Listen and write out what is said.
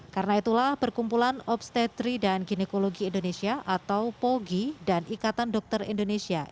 karena itulah perkumpulan obstetri dan ginekologi indonesia atau pogi dan ikatan dokter indonesia